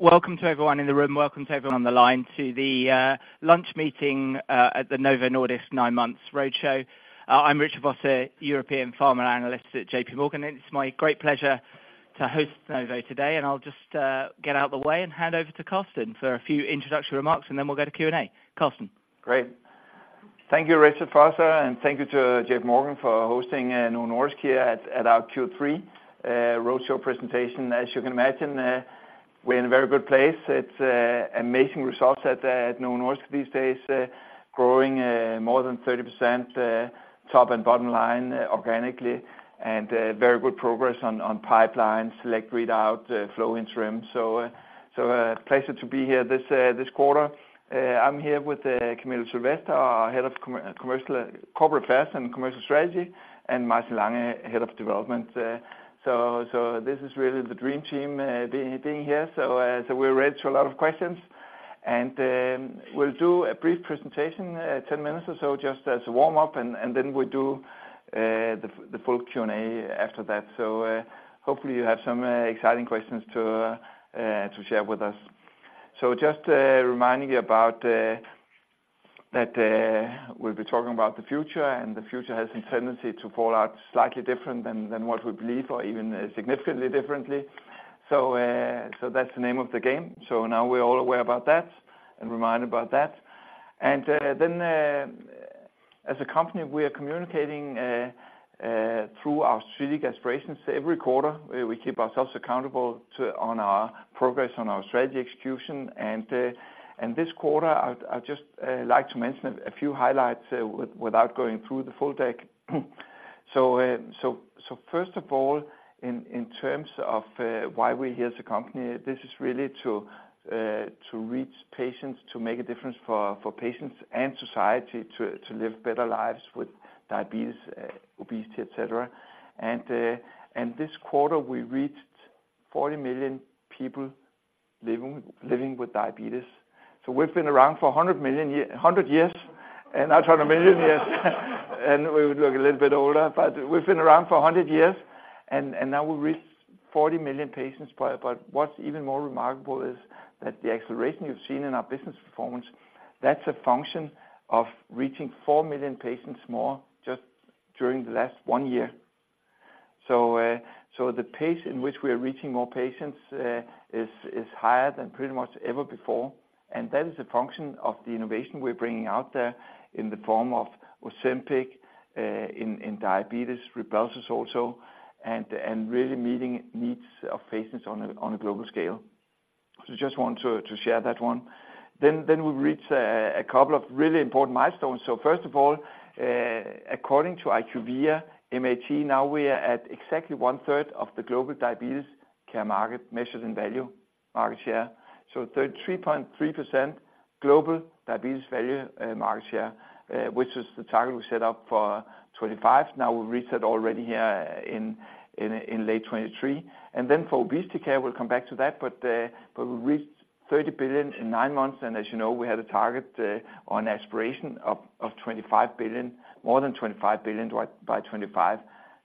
Welcome to everyone in the room, welcome to everyone on the line to the lunch meeting at the Novo Nordisk Nine Months Roadshow. I'm Richard Vosser, European Pharma Analyst at JPMorgan, and it's my great pleasure to host Novo today. And I'll just get out the way and hand over to Karsten for a few introductory remarks, and then we'll go to Q&A. Karsten? Great. Thank you, Richard Vosser, and thank you to JPMorgan for hosting Novo Nordisk here at our Q3 roadshow presentation. As you can imagine, we're in a very good place. It's amazing results at Novo Nordisk these days, growing more than 30% top and bottom line organically, and very good progress on pipelines, SELECT readout, FLOW, insulin. Pleasure to be here this quarter. I'm here with Camilla Sylvest, our Head of Commercial, Corporate Affairs and Commercial Strategy, and Martin Lange, Head of Development. This is really the dream team being here. So, we're ready to a lot of questions, and we'll do a brief presentation, 10 minutes or so, just as a warm-up, and then we'll do the full Q&A after that. So, hopefully you have some exciting questions to share with us. So just reminding you about that we'll be talking about the future, and the future has a tendency to fall out slightly different than what we believe or even significantly differently. So, that's the name of the game. So now we're all aware about that and reminded about that. And then, as a company, we are communicating through our strategic aspirations. Every quarter, we keep ourselves accountable to our progress on our strategy execution, and this quarter, I'd just like to mention a few highlights without going through the full deck. So first of all, in terms of why we're here as a company, this is really to reach patients, to make a difference for patients and society to live better lives with diabetes, obesity, et cetera. This quarter, we reached 40 million people living with diabetes. So we've been around for 100 years, and not 100 million years. We would look a little bit older, but we've been around for 100 years, and now we reach 40 million patients. But what's even more remarkable is that the acceleration you've seen in our business performance, that's a function of reaching 4 million patients more just during the last one year. So the pace in which we are reaching more patients is higher than pretty much ever before, and that is a function of the innovation we're bringing out there in the form of Ozempic in diabetes, Rybelsus also, and really meeting needs of patients on a global scale. So just want to share that one. Then we've reached a couple of really important milestones. So first of all, according to IQVIA MAT, now we are at exactly one third of the global diabetes care market, measured in value, market share. So 33.3% global diabetes value market share, which is the target we set up for 2025. Now, we've reached that already in late 2023. And then for obesity care, we'll come back to that, but we reached 30 billion in nine months, and as you know, we had a target, on aspiration of 25 billion, more than 25 billion by 2025.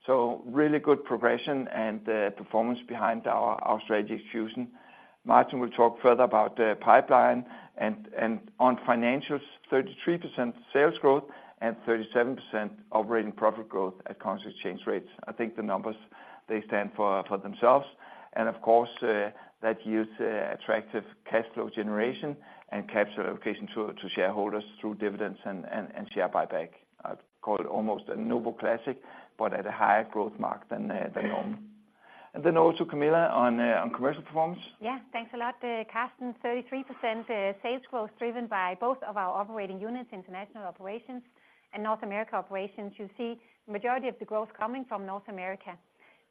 So really good progression and performance behind our strategy execution. Martin will talk further about the pipeline and on financials, 33% sales growth and 37% operating profit growth at constant exchange rates. I think the numbers, they stand for themselves, and of course, that yields attractive cash flow generation and capital allocation to shareholders through dividends and share buyback. I'd call it almost a Novo classic, but at a higher growth mark than normal. And then also Camilla on commercial performance. Yeah, thanks a lot, Karsten. 33% sales growth driven by both of our operating units, international operations and North America operations. You see majority of the growth coming from North America.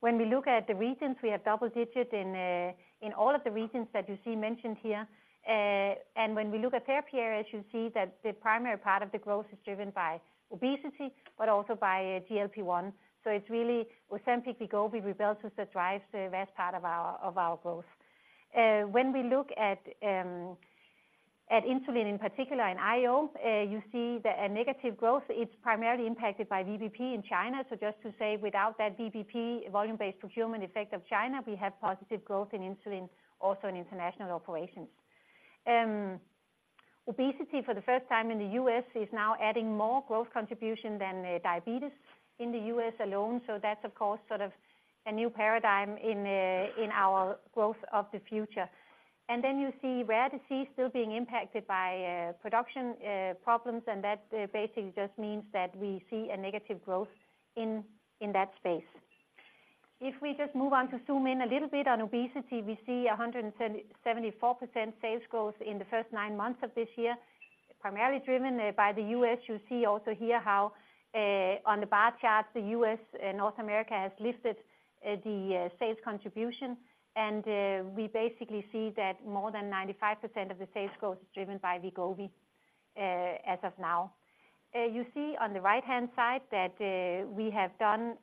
When we look at the regions, we have double digits in all of the regions that you see mentioned here. And when we look at therapy areas, you see that the primary part of the growth is driven by obesity, but also by GLP-1. So it's really Ozempic, Wegovy, Rybelsus that drives the vast part of our growth. When we look at insulin, in particular in IO, you see the negative growth. It's primarily impacted by VBP in China. So just to say, without that VBP, volume-based procurement effect of China, we have positive growth in insulin, also in international operations. Obesity for the first time in the U.S., is now adding more growth contribution than diabetes in the U.S. alone. So that's, of course, sort of a new paradigm in our growth of the future. And then you see rare disease still being impacted by production problems, and that basically just means that we see a negative growth in that space. If we just move on to zoom in a little bit on obesity, we see 174% sales growth in the first nine months of this year, primarily driven by the U.S. You see also here how, on the bar chart, the U.S. and North America has lifted the sales contribution, and we basically see that more than 95% of the sales growth is driven by Wegovy as of now. You see on the right-hand side that, we have done,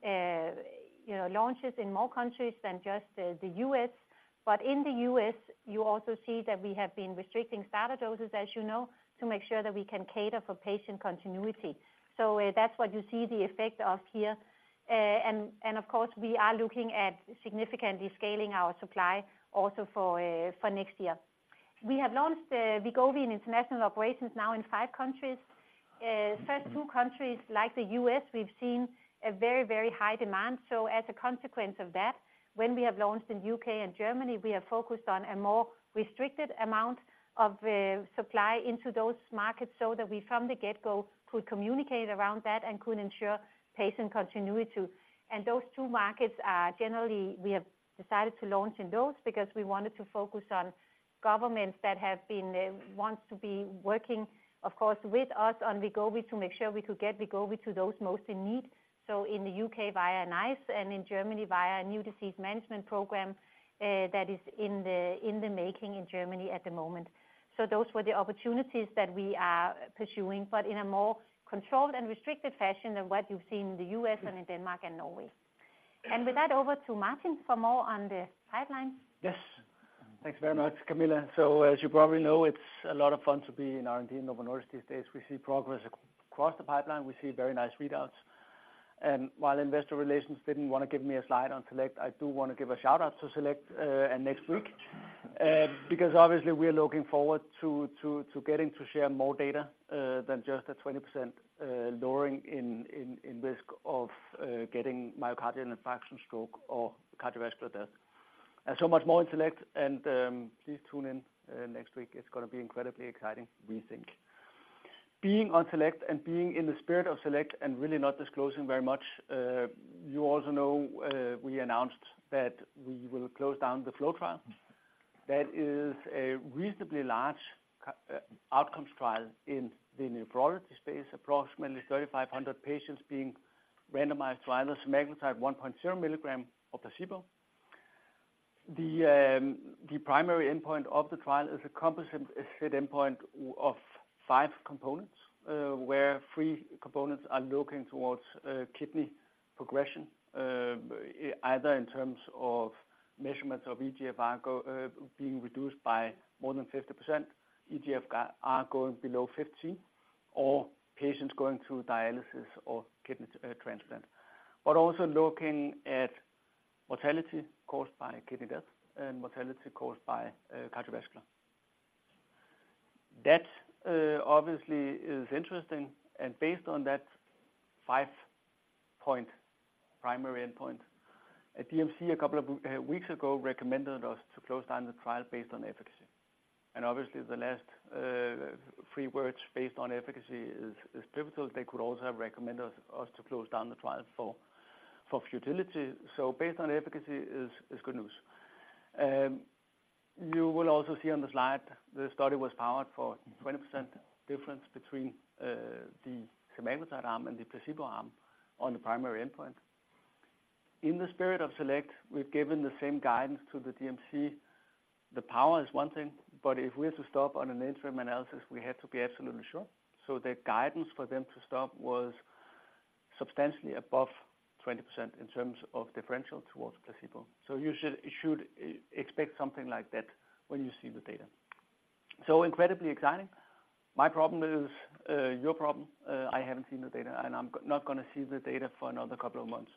you know, launches in more countries than just the U.S. But in the U.S., you also see that we have been restricting starter doses, as you know, to make sure that we can cater for patient continuity. So, that's what you see the effect of here. And of course, we are looking at significantly scaling our supply also for next year. We have launched Wegovy in international operations now in five countries. First two countries like the U.S., we've seen a very, very high demand. So as a consequence of that, when we have launched in U.K. and Germany, we are focused on a more restricted amount of supply into those markets so that we from the get-go could communicate around that and could ensure patient continuity. Those two markets are generally, we have decided to launch in those because we wanted to focus on governments that have been wants to be working, of course, with us on Wegovy to make sure we could get Wegovy to those most in need. So in the U.K. via NICE and in Germany via new disease management program that is in the making in Germany at the moment. So those were the opportunities that we are pursuing, but in a more controlled and restricted fashion than what you've seen in the U.S. and in Denmark and Norway. With that, over to Martin for more on the pipeline. Yes. Thanks very much, Camilla. So as you probably know, it's a lot of fun to be in R&D in Novo Nordisk these days. We see progress across the pipeline. We see very nice readouts. And while investor relations didn't want to give me a slide on SELECT, I do want to give a shout-out to SELECT, and next week. Because obviously we are looking forward to getting to share more data than just a 20% lowering in risk of getting myocardial infarction, stroke, or cardiovascular death. And so much more in SELECT and, please tune in next week. It's gonna be incredibly exciting, we think. Being on SELECT and being in the spirit of SELECT and really not disclosing very much, you also know, we announced that we will close down the FLOW trial. That is a reasonably large outcomes trial in the nephrology space, approximately 3,500 patients being randomized to trial semaglutide 1.0 mg or placebo. The primary endpoint of the trial is a composite endpoint of 5 components, where three components are looking towards kidney progression, either in terms of measurements of eGFR being reduced by more than 50%, eGFR going below 15, or patients going through dialysis or kidney transplant. But also looking at mortality caused by kidney death and mortality caused by cardiovascular. That obviously is interesting, and based on that five-point primary endpoint, a DMC a couple of weeks ago recommended us to close down the trial based on efficacy. And obviously, the last three words, based on efficacy, is pivotal. They could also have recommended us to close down the trial for futility. So based on efficacy is good news. You will also see on the slide, the study was powered for 20% difference between the semaglutide arm and the placebo arm on the primary endpoint. In the spirit of SELECT, we've given the same guidance to the DMC. The power is one thing, but if we are to stop on an interim analysis, we have to be absolutely sure. So the guidance for them to stop was substantially above 20% in terms of differential towards placebo. So you should expect something like that when you see the data. So incredibly exciting. My problem is, your problem. I haven't seen the data, and I'm not gonna see the data for another couple of months.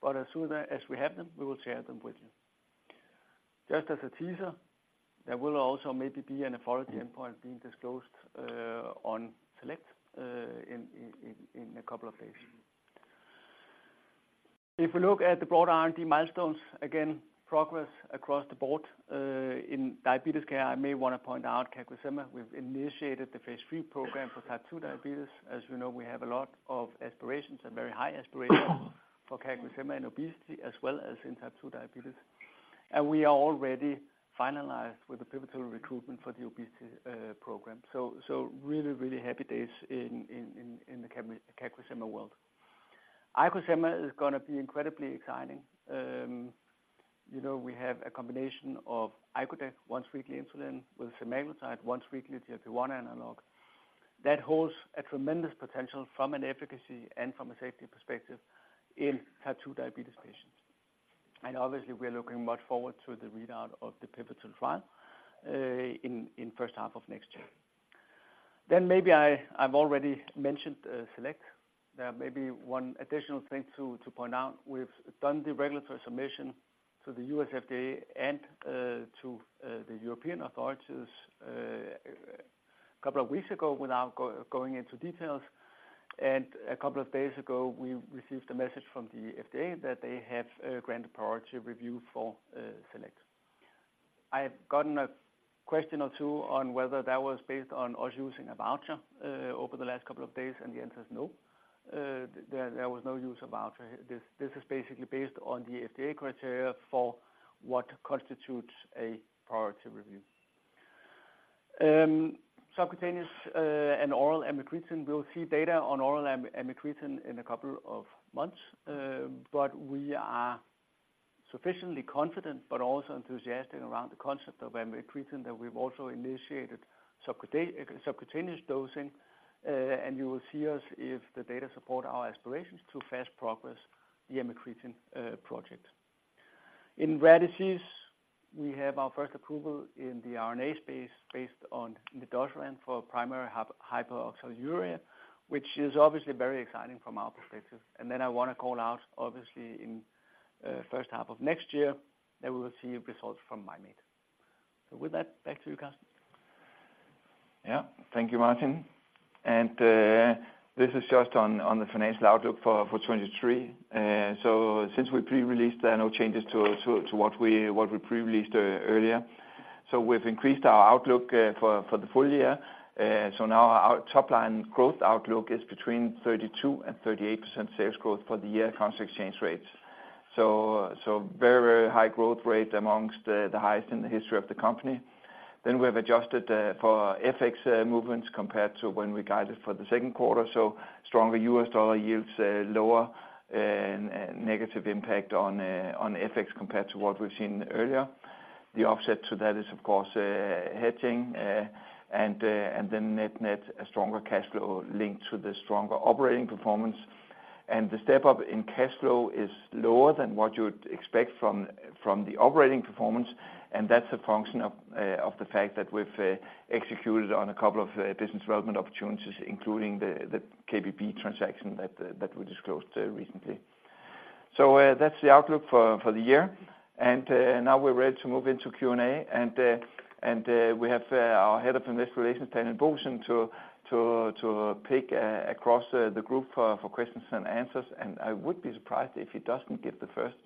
But as soon as we have them, we will share them with you. Just as a teaser, there will also maybe be an authority endpoint being disclosed on SELECT in a couple of days. If we look at the broad R&D milestones, again, progress across the board. In diabetes care, I may want to point out CagriSema. We've initiated the phase III program for type 2 diabetes. As you know, we have a lot of aspirations and very high aspirations for CagriSema and obesity, as well as in type 2 diabetes. And we are already finalized with the pivotal recruitment for the obesity program. So really, really happy days in the CagriSema world. IcoSema is gonna be incredibly exciting. You know, we have a combination of icodec, once-weekly insulin, with semaglutide, once-weekly GLP-1 analog. That holds a tremendous potential from an efficacy and from a safety perspective in type 2 diabetes patients. And obviously, we are looking much forward to the readout of the pivotal trial in first half of next year. Then maybe I've already mentioned SELECT. There may be one additional thing to point out. We've done the regulatory submission to the U.S. FDA and to the European authorities couple of weeks ago, without going into details. And a couple of days ago, we received a message from the FDA that they have granted priority review for SELECT. I have gotten a question or two on whether that was based on us using a voucher over the last couple of days, and the answer is no. There was no use of voucher. This is basically based on the FDA criteria for what constitutes a priority review. Subcutaneous and oral amycretin, we'll see data on oral amycretin in a couple of months, but we are sufficiently confident but also enthusiastic around the concept of amycretin, that we've also initiated subcutaneous dosing, and you will see us if the data support our aspirations to fast progress the amycretin project. In rare disease, we have our first approval in the RNA space based on nedosiran for primary hyperoxaluria, which is obviously very exciting from our perspective. And then I want to call out, obviously, first half of next year, then we will see results from amycretin. So with that, back to you, Lars Fruergaard Jørgensen. Yeah. Thank you, Martin. And this is just on the financial outlook for 2023. So since we pre-released, there are no changes to what we pre-released earlier. So we've increased our outlook for the full year. So now our top line growth outlook is between 32%-38% sales growth for the year constant exchange rates. So very high growth rate amongst the highest in the history of the company. Then we have adjusted for FX movements compared to when we guided for the second quarter. So stronger US dollar yields lower negative impact on FX compared to what we've seen earlier. The offset to that is, of course, hedging and then net-net, a stronger cash flow linked to the stronger operating performance. The step up in cash flow is lower than what you would expect from the operating performance, and that's a function of the fact that we've executed on a couple of business development opportunities, including the KBP transaction that we disclosed recently. So, that's the outlook for the year. And now we're ready to move into Q&A, and we have our Head of Investor Relations, Daniel Bohsen, to pick across the group for questions and answers. And I would be surprised if he doesn't give the first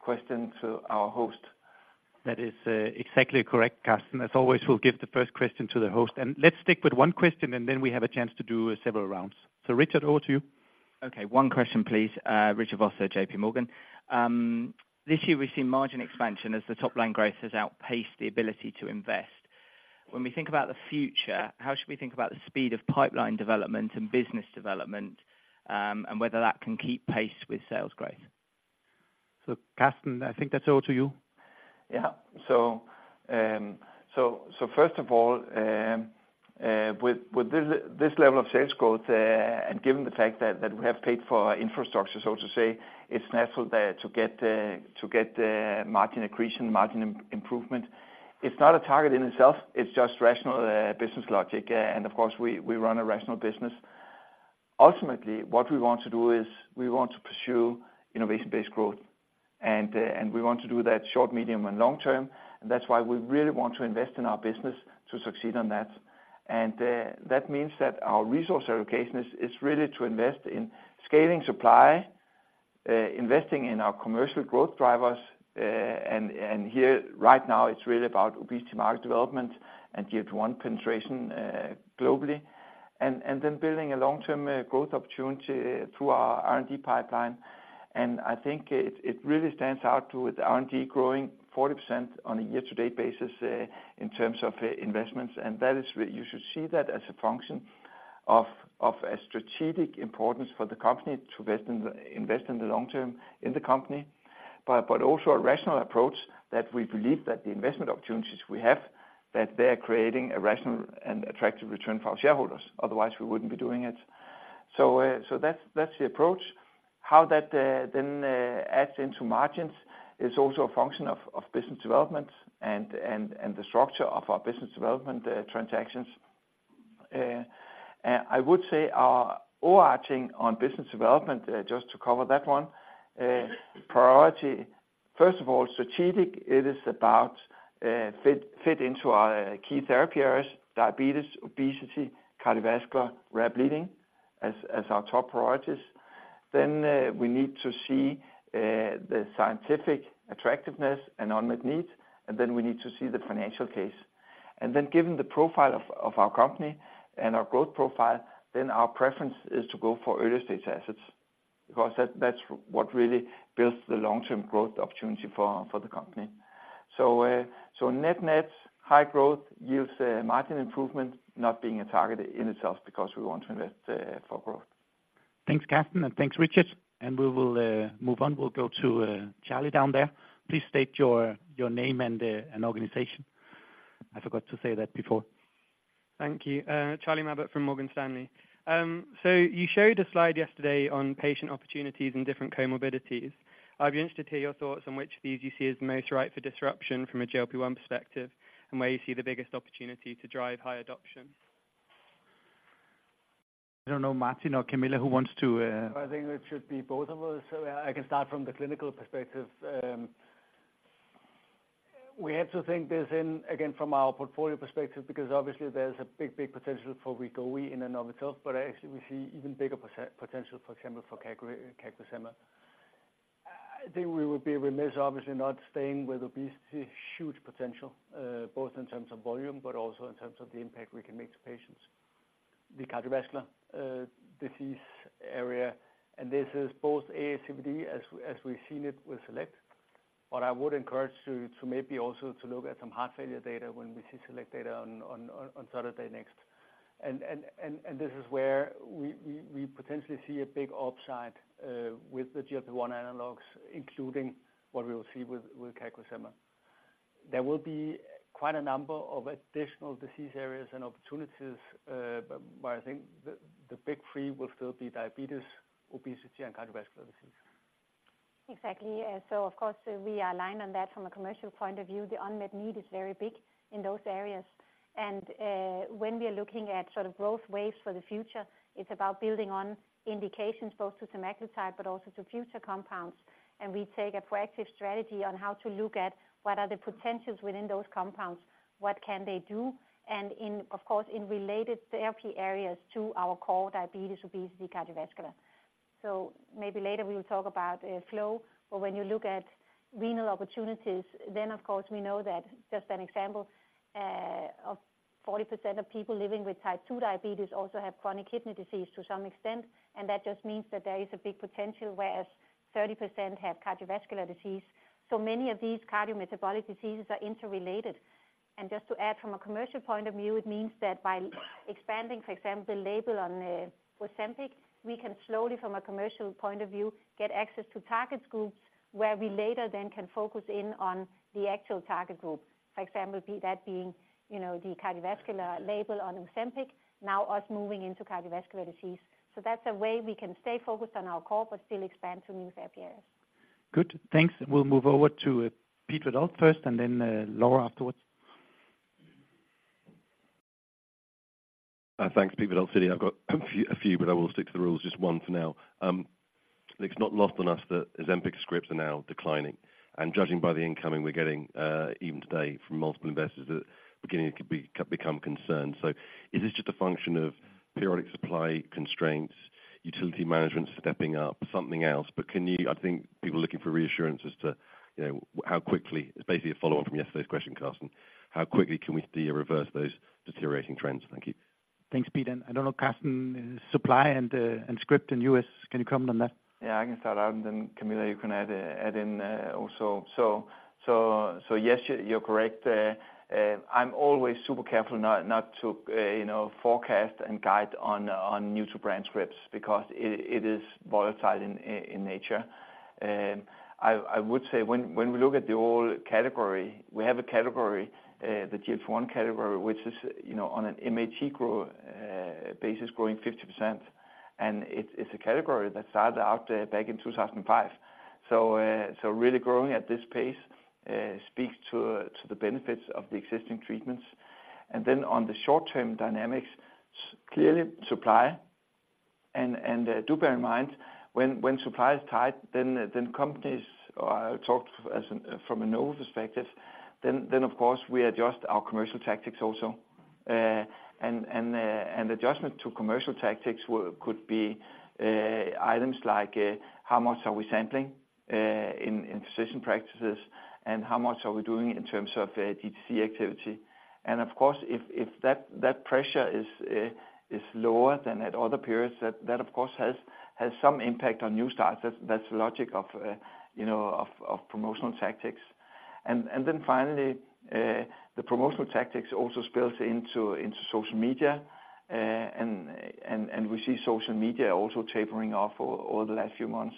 question to our host. That is, exactly correct, Lars Fruergaard Jørgensen. As always, we'll give the first question to the host, and let's stick with one question, and then we have a chance to do several rounds. So Richard, over to you. Okay, one question, please. Richard Vosser, JPMorgan. This year we've seen margin expansion as the top line growth has outpaced the ability to invest. When we think about the future, how should we think about the speed of pipeline development and business development, and whether that can keep pace with sales growth? Karsten, I think that's over to you. Yeah. So first of all, with this level of sales growth, and given the fact that we have paid for our infrastructure, so to say, it's natural to get margin accretion, margin improvement. It's not a target in itself, it's just rational business logic. And of course, we run a rational business. Ultimately, what we want to do is we want to pursue innovation-based growth, and we want to do that short, medium, and long term. And that's why we really want to invest in our business to succeed on that. And that means that our resource allocation is really to invest in scaling supply, investing in our commercial growth drivers. And here, right now, it's really about obesity market development and GLP-1 penetration, globally, and then building a long-term growth opportunity through our R&D pipeline. And I think it really stands out too, with R&D growing 40% on a year-to-date basis, in terms of investments. And that is where you should see that as a function of a strategic importance for the company to invest in the long term in the company. But also a rational approach that we believe that the investment opportunities we have, that they're creating a rational and attractive return for our shareholders, otherwise, we wouldn't be doing it. So that's the approach. How that, then, adds into margins is also a function of business development and the structure of our business development transactions. I would say our overarching on business development, just to cover that one priority, first of all, strategic, it is about fit into our key therapy areas, diabetes, obesity, cardiovascular, rare bleeding, as our top priorities. Then, we need to see the scientific attractiveness and unmet need, and then we need to see the financial case. Then given the profile of our company and our growth profile, our preference is to go for early-stage assets, because that's what really builds the long-term growth opportunity for the company. So net-net, high growth yields, margin improvement, not being a target in itself because we want to invest for growth. Thanks, Karsten, and thanks, Richard. We will move on. We'll go to Charlie, down there. Please state your name and organization. I forgot to say that before. Thank you. Charlie Mabbutt from Morgan Stanley. So you showed a slide yesterday on patient opportunities and different comorbidities. I'd be interested to hear your thoughts on which of these you see as most ripe for disruption from a GLP-1 perspective, and where you see the biggest opportunity to drive high adoption. I don't know, Martin or Camilla, who wants to- I think it should be both of us. So I can start from the clinical perspective. We have to think this in, again, from our portfolio perspective, because obviously there's a big, big potential for Wegovy in and of itself, but actually, we see even bigger potential, for example, for CagriSema. I think we would be remiss, obviously, not staying with obesity. Huge potential, both in terms of volume, but also in terms of the impact we can make to patients. The cardiovascular disease area, and this is both ASCVD as we've seen it with SELECT, but I would encourage you to maybe also to look at some heart failure data when we see SELECT data on Saturday next. This is where we potentially see a big upside with the GLP-1 analogs, including what we will see with CagriSema. There will be quite a number of additional disease areas and opportunities, but I think the big three will still be diabetes, obesity, and cardiovascular disease.... Exactly. And so of course, we are aligned on that from a commercial point of view, the unmet need is very big in those areas. And, when we are looking at sort of growth waves for the future, it's about building on indications, both to semaglutide, but also to future compounds. And we take a proactive strategy on how to look at what are the potentials within those compounds, what can they do, and in, of course, in related therapy areas to our core diabetes, obesity, cardiovascular. So maybe later we will talk about, FLOW, but when you look at renal opportunities, then of course we know that just an example, of 40% of people living with type 2 diabetes also have chronic kidney disease to some extent, and that just means that there is a big potential, whereas 30% have cardiovascular disease. So many of these cardiometabolic diseases are interrelated. And just to add from a commercial point of view, it means that by expanding, for example, the label on Ozempic, we can slowly, from a commercial point of view, get access to target groups, where we later then can focus in on the actual target group. For example, be that being, you know, the cardiovascular label on Ozempic, now us moving into cardiovascular disease. So that's a way we can stay focused on our core, but still expand to new therapy areas. Good, thanks. We'll move over to Peter Verdult first, and then Laura afterwards. Thanks, Peter Verdult, Citi. I've got a few, but I will stick to the rules, just one for now. It's not lost on us that Ozempic scripts are now declining, and judging by the incoming we're getting, even today from multiple investors that are beginning to become concerned. So is this just a function of periodic supply constraints, utility management stepping up, something else? But can you, I think people are looking for reassurance as to, you know, how quickly, it's basically a follow-up from yesterday's question, Lars, how quickly can we reverse those deteriorating trends? Thank you. Thanks, Pete. I don't know, Karsten, supply and script in U.S., can you comment on that? Yeah, I can start out, and then Camilla, you can add in also. So yes, you're correct. I'm always super careful not to, you know, forecast and guide on new to brand scripts because it is volatile in nature. I would say when we look at the old category, we have a category, the GLP-1 category, which is, you know, on an MH growth basis, growing 50%. And it's a category that started out back in 2005. So really growing at this pace speaks to the benefits of the existing treatments. And then on the short-term dynamics, clearly supply. Do bear in mind when supply is tight, then companies, or I'll talk as from a Novo perspective, then of course we adjust our commercial tactics also. An adjustment to commercial tactics could be items like how much are we sampling in decision practices? And how much are we doing in terms of DTC activity? And of course, if that pressure is lower than at other periods, that of course has some impact on new starters. That's the logic of, you know, promotional tactics. And then finally, the promotional tactics also spills into social media. We see social media also tapering off over the last few months.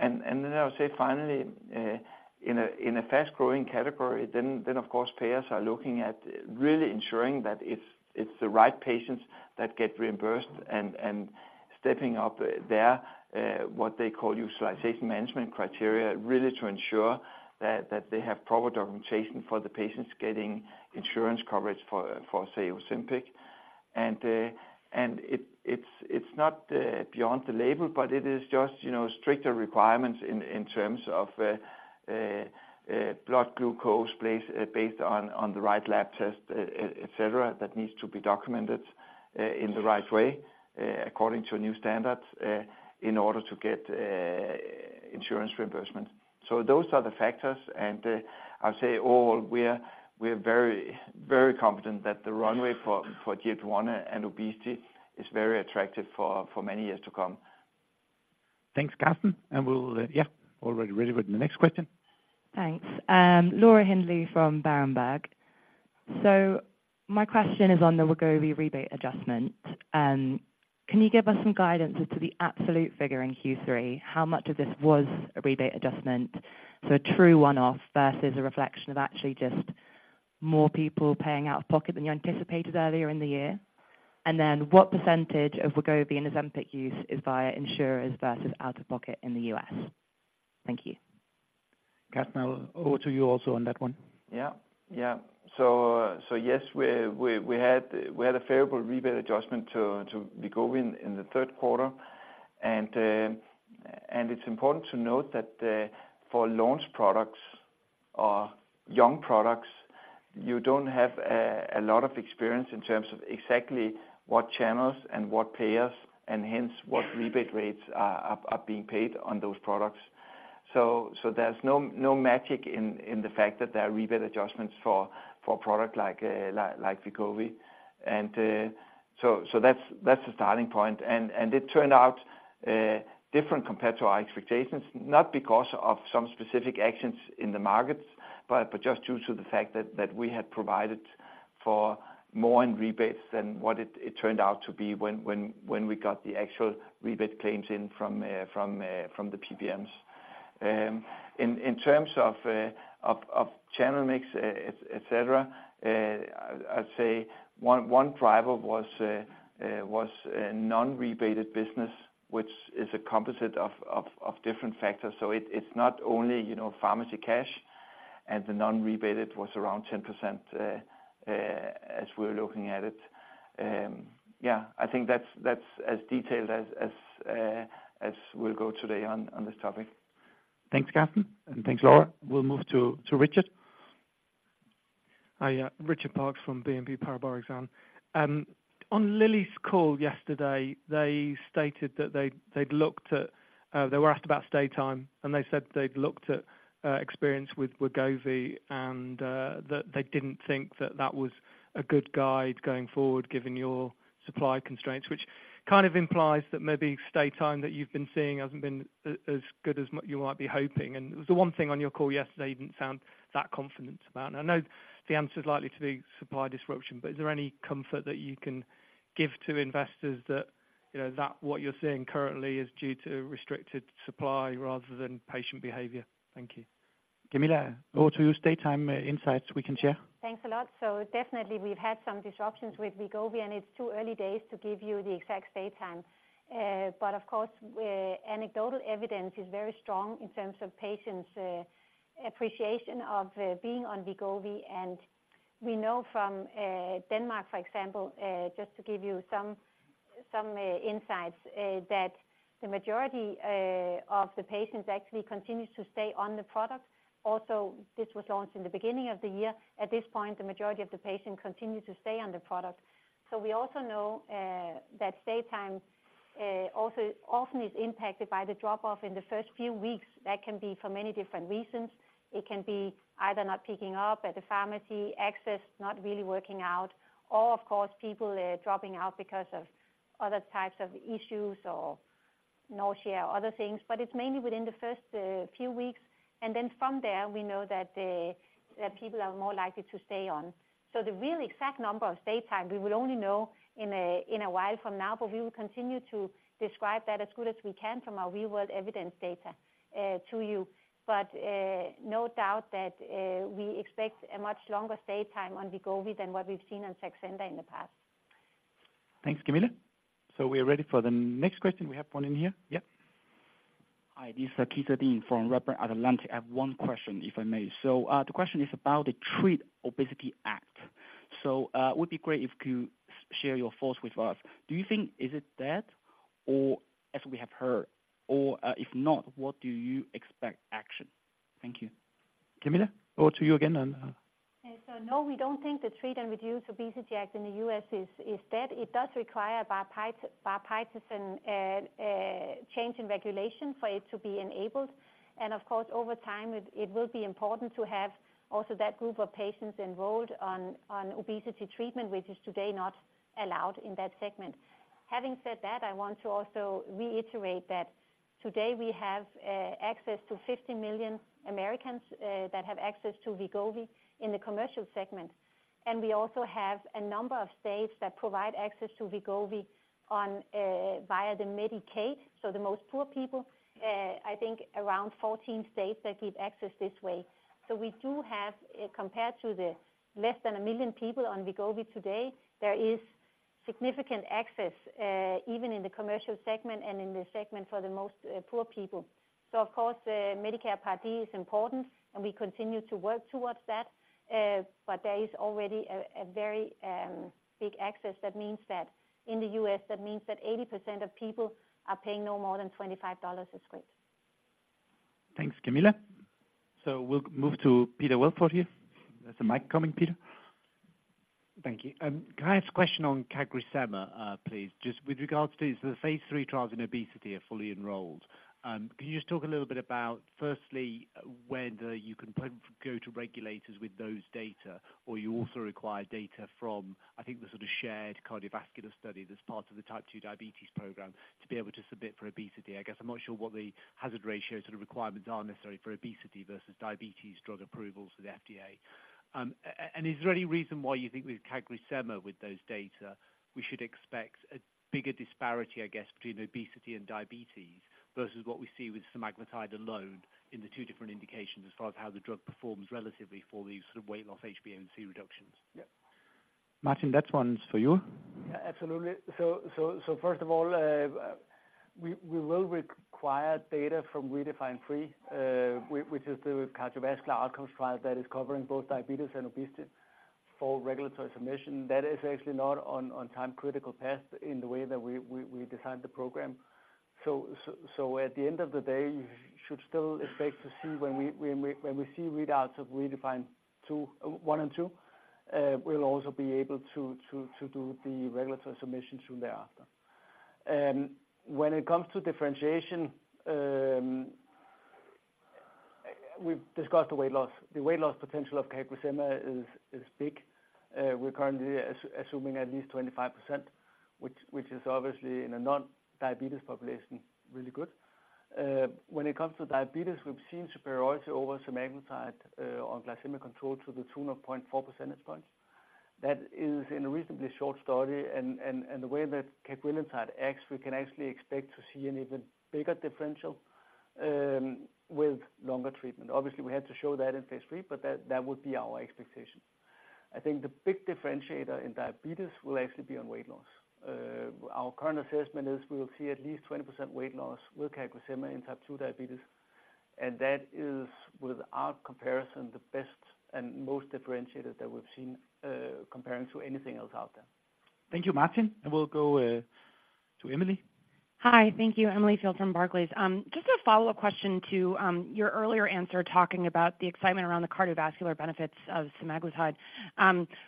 And then I would say finally, in a fast-growing category, then of course, payers are looking at really ensuring that it's the right patients that get reimbursed and stepping up their what they call utilization management criteria, really to ensure that they have proper documentation for the patients getting insurance coverage for, say, Ozempic. And it's not beyond the label, but it is just, you know, stricter requirements in terms of blood glucose levels based on the right lab test, et cetera, that needs to be documented in the right way according to new standards in order to get insurance reimbursement. Those are the factors, and I'll say we are very, very confident that the runway for GLP-1 and obesity is very attractive for many years to come. Thanks, Lars Fruergaard Jørgensen, and we'll. Yeah, already ready with the next question. Thanks. Laura Hindley from Berenberg. So my question is on the Wegovy rebate adjustment. Can you give us some guidance as to the absolute figure in Q3? How much of this was a rebate adjustment? So a true one-off versus a reflection of actually just more people paying out of pocket than you anticipated earlier in the year. And then, what percentage of Wegovy and Ozempic use is via insurers versus out-of-pocket in the U.S.? Thank you. Jørgensen, I'll over to you also on that one. Yeah. Yeah. So yes, we had a favorable rebate adjustment to Wegovy in the third quarter. And it's important to note that for launch products or young products, you don't have a lot of experience in terms of exactly what channels and what payers, and hence what rebate rates are being paid on those products. So there's no magic in the fact that there are rebate adjustments for a product like Wegovy. And so that's the starting point. It turned out different compared to our expectations, not because of some specific actions in the markets, but just due to the fact that we had provided for more in rebates than what it turned out to be when we got the actual rebate claims in from the PBMs. ... In terms of channel mix, et cetera, I'd say one driver was a non-rebated business, which is a composite of different factors. So it's not only, you know, pharmacy cash, and the non-rebated was around 10% as we're looking at it. Yeah, I think that's as detailed as we'll go today on this topic. Thanks, Lars, and thanks, Laura. We'll move to Richard. Hi, yeah, Richard Parkes from BNP Paribas Exane. On Lilly's call yesterday, they stated that they'd looked at, they were asked about stay time, and they said they'd looked at experience with Wegovy and that they didn't think that that was a good guide going forward, given your supply constraints. Which kind of implies that maybe stay time that you've been seeing hasn't been as good as you might be hoping, and it was the one thing on your call yesterday you didn't sound that confident about. And I know the answer is likely to be supply disruption, but is there any comfort that you can give to investors that, you know, that what you're seeing currently is due to restricted supply rather than patient behavior? Thank you. Camilla, over to you. Some time, insights we can share. Thanks a lot. So definitely we've had some disruptions with Wegovy, and it's too early days to give you the exact stay time. But of course, anecdotal evidence is very strong in terms of patients' appreciation of being on Wegovy. And we know from Denmark, for example, just to give you some insights, that the majority of the patients actually continues to stay on the product. Also, this was launched in the beginning of the year. At this point, the majority of the patients continue to stay on the product. So we also know that stay time also often is impacted by the drop-off in the first few weeks. That can be for many different reasons. It can be either not picking up at the pharmacy, access not really working out, or of course, people, dropping out because of other types of issues or nausea or other things. But it's mainly within the first, few weeks, and then from there, we know that, that people are more likely to stay on. So the real exact number of stay time, we will only know in a while from now, but we will continue to describe that as good as we can from our real-world evidence data, to you. But, no doubt that, we expect a much longer stay time on Wegovy than what we've seen on Saxenda in the past. Thanks, Camilla. We are ready for the next question. We have one in here. Yeah? Hi, this is Keith Adeen from Redburn Atlantic. I have one question, if I may. The question is about the Treat Obesity Act. It would be great if you could share your thoughts with us. Do you think is it dead, or as we have heard, or, if not, what do you expect action? Thank you. Camilla, over to you again. So no, we don't think the Treat and Reduce Obesity Act in the U.S. is dead. It does require bipartisan change in regulation for it to be enabled. And of course, over time, it will be important to have also that group of patients enrolled on obesity treatment, which is today not allowed in that segment. Having said that, I want to also reiterate that today we have access to 50 million Americans that have access to Wegovy in the commercial segment. And we also have a number of states that provide access to Wegovy via the Medicaid, so the most poor people, I think around 14 states that give access this way. So we do have, compared to the less than 1 million people on Wegovy today, there is significant access, even in the commercial segment and in the segment for the most poor people. So of course, the Medicare Part D is important, and we continue to work towards that, but there is already a very big access. That means that in the U.S., that means that 80% of people are paying no more than $25 a script. Thanks, Camilla. We'll move to Peter Welford here. There's a mic coming, Peter. Thank you. Can I ask a question on CagriSema, please? Just with regards to the phase III trials in obesity are fully enrolled. Can you just talk a little bit about, firstly, when you can go to regulators with those data, or you also require data from, I think, the sort of shared cardiovascular study that's part of the Type 2 diabetes program, to be able to submit for obesity? I guess I'm not sure what the hazard ratio sort of requirements are necessary for obesity versus diabetes drug approvals with the FDA. Is there any reason why you think with CagriSema, with those data, we should expect a bigger disparity, I guess, between obesity and diabetes, versus what we see with semaglutide alone in the two different indications as far as how the drug performs relatively for these sort of weight loss HbA1c reductions? Yeah. Martin, that one's for you. Yeah, absolutely. So first of all, we will require data from REDEFINE 3, which is the cardiovascular outcomes trial that is covering both diabetes and obesity for regulatory submission. That is actually not on time critical path in the way that we designed the program. So at the end of the day, you should still expect to see when we see readouts of REDEFINE 2, 1 and 2, we'll also be able to do the regulatory submission soon thereafter. When it comes to differentiation, we've discussed the weight loss. The weight loss potential of CagriSema is big. We're currently assuming at least 25%, which is obviously in a non-diabetes population, really good. When it comes to diabetes, we've seen superiority over semaglutide on glycemic control to the tune of 0.4 percentage points. That is in a reasonably short study, and the way that cagrilintide acts, we can actually expect to see an even bigger differential with longer treatment. Obviously, we had to show that in phase three, but that would be our expectation. I think the big differentiator in diabetes will actually be on weight loss. Our current assessment is we will see at least 20% weight loss with CagriSema in type 2 diabetes, and that is, without comparison, the best and most differentiated that we've seen, comparing to anything else out there. Thank you, Martin. We'll go to Emily. Hi, thank you. Emily Field from Barclays. Just a follow-up question to your earlier answer, talking about the excitement around the cardiovascular benefits of semaglutide.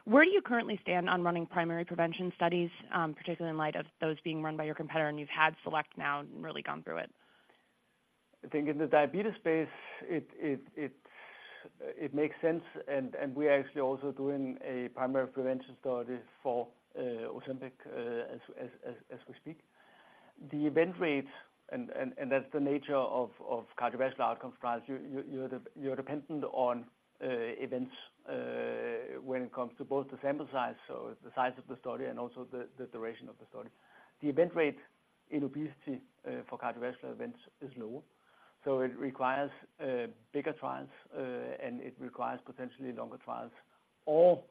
Where do you currently stand on running primary prevention studies, particularly in light of those being run by your competitor, and you've had SELECT now and really gone through it? I think in the diabetes space, it makes sense, and we're actually also doing a primary prevention study for Ozempic as we speak. The event rates, and that's the nature of cardiovascular outcome trials, you're dependent on events when it comes to both the sample size, so the size of the study and also the duration of the study. The event rate in obesity for cardiovascular events is low, so it requires bigger trials, and it requires potentially longer trials, or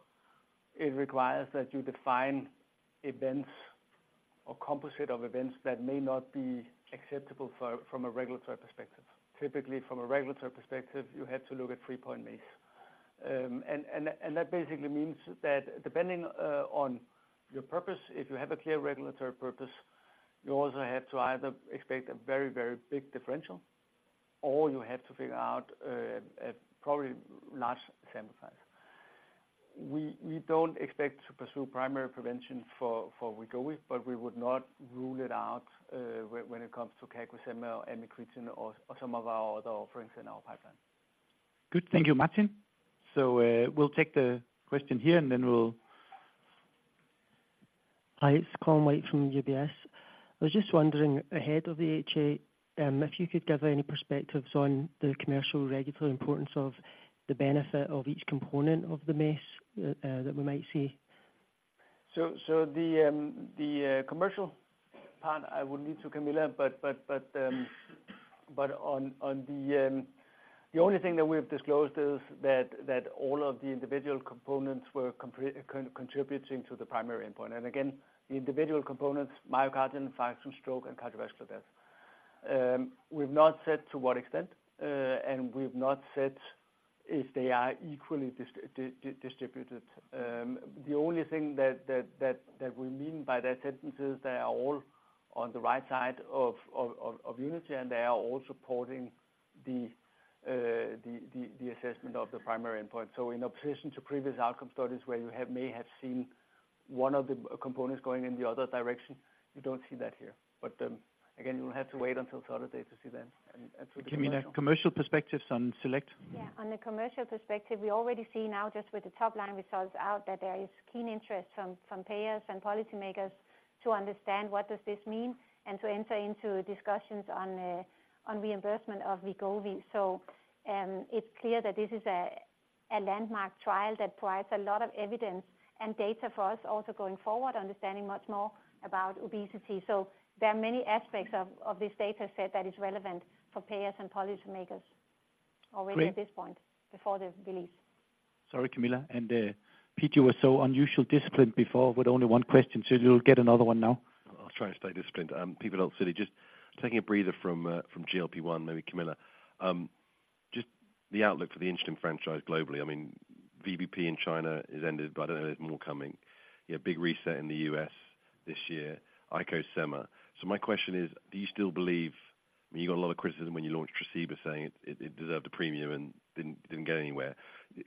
it requires that you define events or composite of events that may not be acceptable from a regulatory perspective. Typically, from a regulatory perspective, you have to look at three-point MACE. And that basically means that depending on your purpose, if you have a clear regulatory purpose, you also have to either expect a very, very big differential or you have to figure out a probably large sample size. We don't expect to pursue primary prevention for Wegovy, but we would not rule it out when it comes to CagriSema or amycretin or some of our other offerings in our pipeline. Good. Thank you, Martin. We'll take the question here, and then we'll- Hi, it's Colin White from UBS. I was just wondering, ahead of the HA, if you could give any perspectives on the commercial regulatory importance of the benefit of each component of the MACE that we might see? The commercial part, I would need to Camilla, but on the only thing that we have disclosed is that all of the individual components were contributing to the primary endpoint. And again, the individual components, myocardial infarction, stroke, and cardiovascular death. We've not said to what extent, and we've not said if they are equally distributed. The only thing that we mean by that sentence is they are all on the right side of unity, and they are all supporting the assessment of the primary endpoint. So in opposition to previous outcome studies, where you may have seen one of the components going in the other direction, you don't see that here. But, again, you'll have to wait until Saturday to see that, and that's- Camilla, commercial perspectives on SELECT? Yeah, on the commercial perspective, we already see now just with the top-line results out, that there is keen interest from payers and policymakers to understand what does this mean and to enter into discussions on reimbursement of Wegovy. It's clear that this is a landmark trial that provides a lot of evidence and data for us also going forward, understanding much more about obesity. So there are many aspects of this data set that is relevant for payers and policymakers already- Great... at this point, before the release. Sorry, Camilla and Pete, you were so unusually disciplined before with only one question, so you'll get another one now. I'll try and stay disciplined. Pete from Citi. Just taking a breather from, from GLP-1, maybe Camilla. Just the outlook for the insulin franchise globally, I mean, VBP in China is ended, but I know there's more coming. You have big reset in the US this year, IcoSema. So my question is, do you still believe, I mean, you got a lot of criticism when you launched Tresiba, saying it deserved a premium and didn't get anywhere.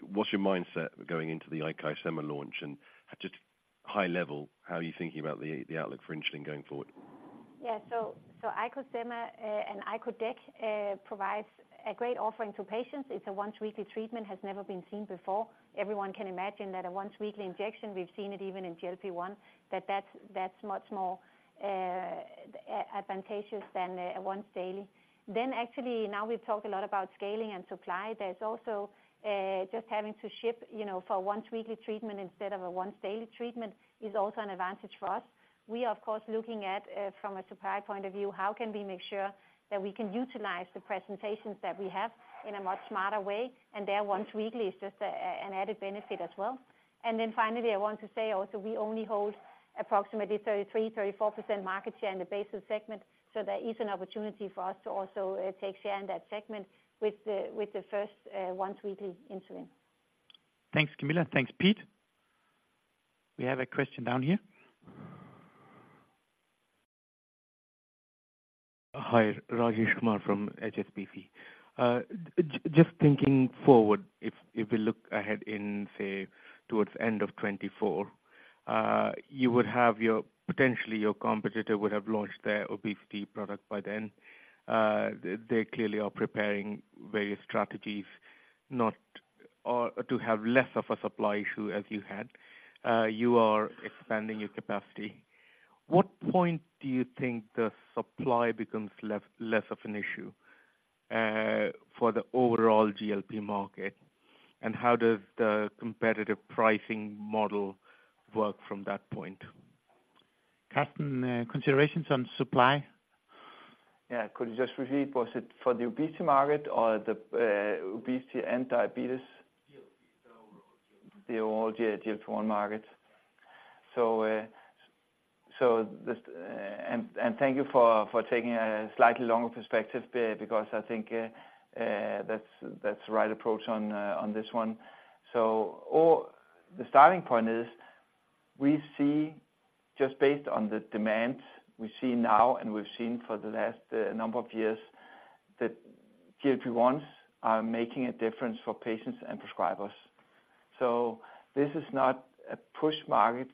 What's your mindset going into the IcoSema launch? And just high level, how are you thinking about the outlook for insulin going forward? Yeah, so IcoSema and icodec provide a great offering to patients. It's a once-weekly treatment, has never been seen before. Everyone can imagine that a once-weekly injection, we've seen it even in GLP-1, that's much more advantageous than once-daily. Actually, now we've talked a lot about scaling and supply. There's also just having to ship, you know, for once-weekly treatment instead of a once-daily treatment is also an advantage for us. We are, of course, looking at from a supply point of view, how can we make sure that we can utilize the presentations that we have in a much smarter way, and their once-weekly is just an added benefit as well. And then finally, I want to say also, we only hold approximately 33%-34% market share in the basal segment, so there is an opportunity for us to also take share in that segment with the first once-weekly insulin. Thanks, Camilla. Thanks, Pete. We have a question down here. Hi, Rajesh Kumar from HSBC. Just thinking forward, if we look ahead in, say, towards end of 2024, you would have your—potentially your competitor would have launched their obesity product by then. They clearly are preparing various strategies, not or to have less of a supply issue as you had. You are expanding your capacity?... What point do you think the supply becomes less, less of an issue for the overall GLP market? And how does the competitive pricing model work from that point? Karsten, considerations on supply? Yeah, could you just repeat, was it for the obesity market or the, obesity and diabetes? The overall GLP-1 market. The overall GLP-1 market. So, and thank you for taking a slightly longer perspective, because I think that's the right approach on this one. So the starting point is we see just based on the demand we see now, and we've seen for the last number of years, that GLP-1s are making a difference for patients and prescribers. So this is not a push market,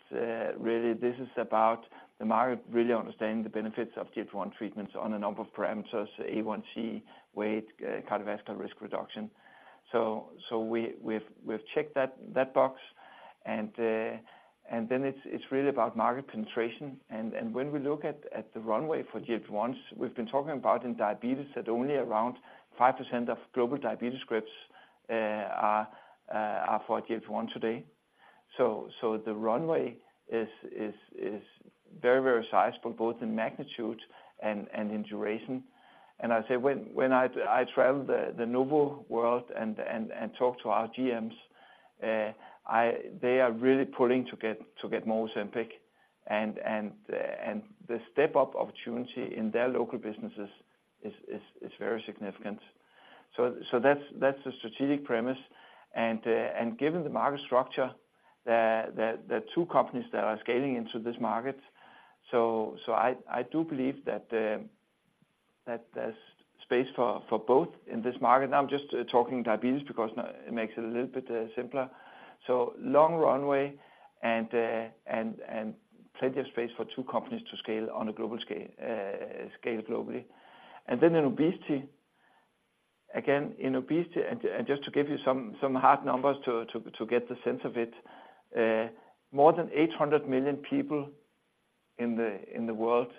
really, this is about the market really understanding the benefits of GLP-1 treatments on a number of parameters, A1C, weight, cardiovascular risk reduction. So we've checked that box, and then it's really about market penetration. When we look at the runway for GLP-1s, we've been talking about in diabetes, that only around 5% of global diabetes scripts are for GLP-1 today. So the runway is very sizable, both in magnitude and in duration. And I say, when I travel the Novo world and talk to our GMs, they are really pulling to get more Ozempic. And the step-up opportunity in their local businesses is very significant. So that's the strategic premise. And given the market structure, the two companies that are scaling into this market, so I do believe that there's space for both in this market. Now, I'm just talking diabetes because it makes it a little bit simpler. So long runway and plenty of space for two companies to scale on a global scale, scale globally. And then in obesity, again, in obesity, and just to give you some hard numbers to get the sense of it, more than 800 million people in the world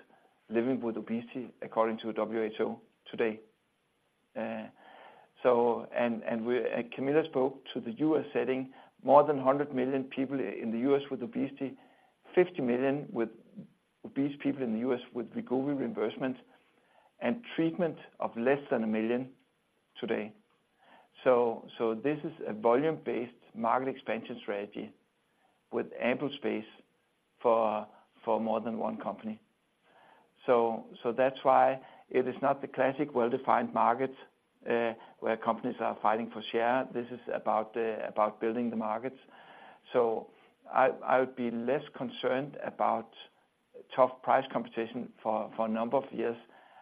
living with obesity, according to WHO today. So, and Camilla spoke to the U.S. setting, more than 100 million people in the U.S. with obesity, 50 million with obese people in the U.S. with Wegovy reimbursement, and treatment of less than 1 million today. So this is a volume-based market expansion strategy with ample space for more than one company. So that's why it is not the classic well-defined market where companies are fighting for share. This is about building the markets. So I would be less concerned about tough price competition for a number of years,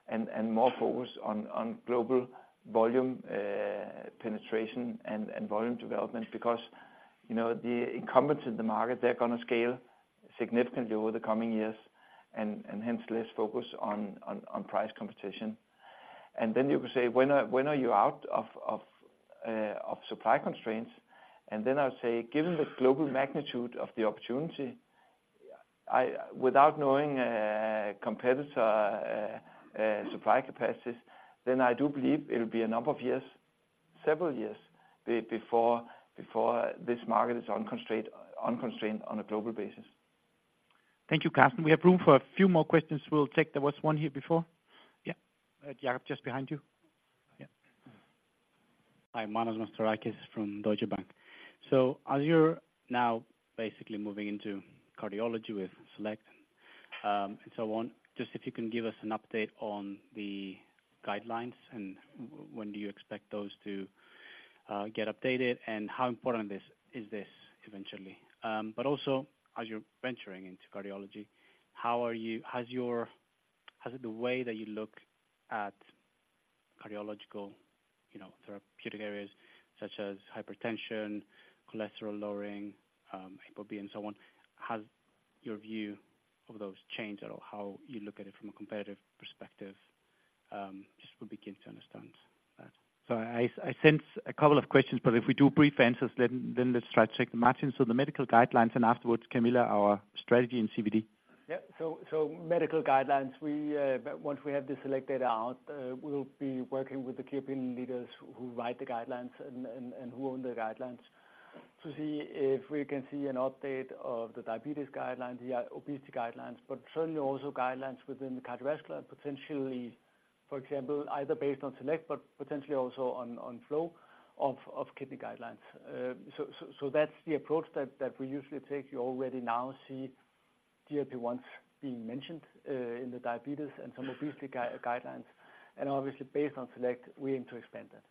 and more focused on global volume penetration and volume development. Because, you know, the incumbents in the market, they're gonna scale significantly over the coming years, and hence, less focus on price competition. And then you could say, "When are you out of supply constraints?" And then I would say, given the global magnitude of the opportunity, I, without knowing competitor supply capacities, then I do believe it'll be a number of years, several years before this market is unconstrained on a global basis. Thank you, Lars. We have room for a few more questions. We'll take... There was one here before. Yeah. Jacob, just behind you. Yeah. Hi, Manos Mastorakis from Deutsche Bank. So as you're now basically moving into cardiology with SELECT, and so on, just if you can give us an update on the guidelines, and when do you expect those to get updated, and how important is this eventually? But also, as you're venturing into cardiology, how are you—has your—has the way that you look at cardiological, you know, therapeutic areas, such as hypertension, cholesterol-lowering, ApoB and so on, has your view of those changed, or how you look at it from a competitive perspective, just would begin to understand that. So I sense a couple of questions, but if we do brief answers, then let's try to take the matching. So the medical guidelines, and afterwards, Camilla, our strategy in CVD. Yeah. So medical guidelines, once we have the SELECT data out, we'll be working with the key opinion leaders who write the guidelines and who own the guidelines, to see if we can see an update of the diabetes guidelines, the obesity guidelines, but certainly also guidelines within the cardiovascular. And potentially, for example, either based on SELECT, but potentially also on FLOW for kidney guidelines. So that's the approach that we usually take. You already now see GLP-1s being mentioned in the diabetes and some obesity guidelines. And obviously, based on SELECT, we aim to expand that.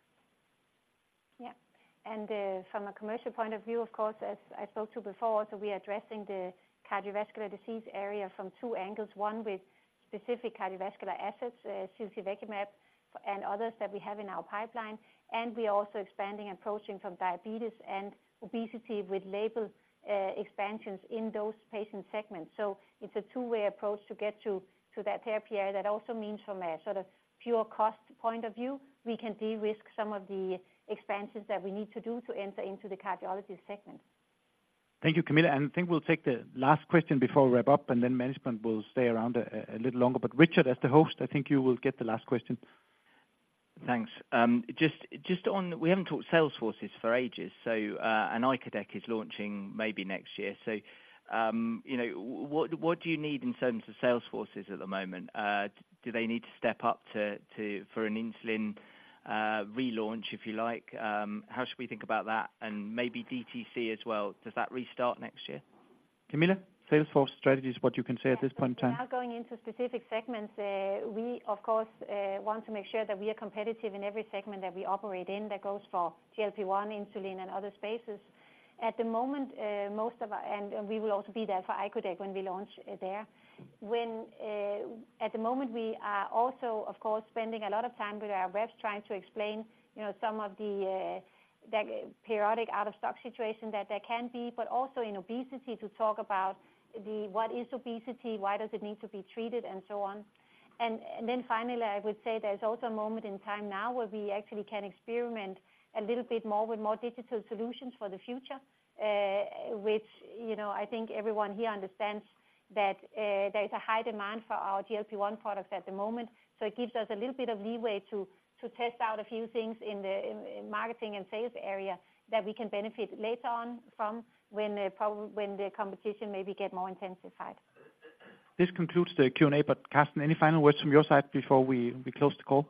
Yeah. And, from a commercial point of view, of course, as I spoke to before, so we are addressing the cardiovascular disease area from two angles, one, with specific cardiovascular assets, ziltivekimab, and others that we have in our pipeline. And we are also expanding approaching from diabetes and obesity with label, expansions in those patient segments. So it's a two-way approach to get to that therapy area. That also means from a sort of pure cost point of view, we can de-risk some of the expansions that we need to do to enter into the cardiology segment. Thank you, Camilla. And I think we'll take the last question before we wrap up, and then management will stay around a little longer. But Richard, as the host, I think you will get the last question. ...Thanks. Just on, we haven't talked sales forces for ages, so, and icodec is launching maybe next year. So, you know, what do you need in terms of sales forces at the moment? Do they need to step up to for an insulin relaunch, if you like? How should we think about that, and maybe DTC as well, does that restart next year? Camilla, sales force strategy is what you can say at this point in time. Without going into specific segments, we of course want to make sure that we are competitive in every segment that we operate in. That goes for GLP-1, insulin, and other spaces. At the moment, we will also be there for icodec when we launch there. At the moment, we are also, of course, spending a lot of time with our reps, trying to explain, you know, some of the periodic out-of-stock situation that there can be, but also in obesity, to talk about what is obesity, why does it need to be treated, and so on. Then finally, I would say there's also a moment in time now where we actually can experiment a little bit more with more digital solutions for the future. which, you know, I think everyone here understands that, there's a high demand for our GLP-1 products at the moment, so it gives us a little bit of leeway to test out a few things in the marketing and sales area, that we can benefit later on from when the competition maybe get more intensified. This concludes the Q&A, but Karsten, any final words from your side before we close the call?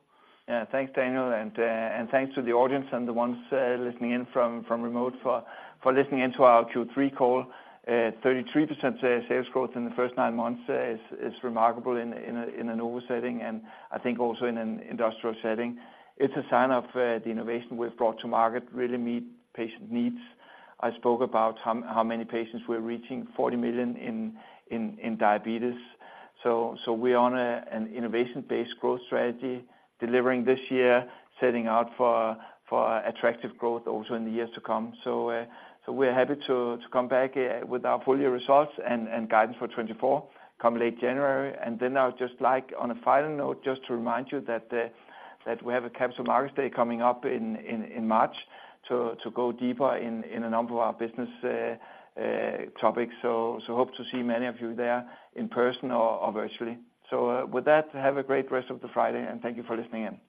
Yeah, thanks, Daniel, and thanks to the audience and the ones listening in from remote for listening in to our Q3 call. Thirty-three percent sales growth in the first nine months is remarkable in a Novo setting, and I think also in an industrial setting. It's a sign of the innovation we've brought to market, really meet patient needs. I spoke about how many patients we're reaching, 40 million in diabetes. So we're on an innovation-based growth strategy, delivering this year, setting out for attractive growth also in the years to come. So we're happy to come back with our full year results and guidance for 2024, come late January. Then I would just like, on a final note, just to remind you that we have a Capital Markets Day coming up in March, to go deeper in a number of our business topics. So hope to see many of you there in person or virtually. So with that, have a great rest of the Friday, and thank you for listening in.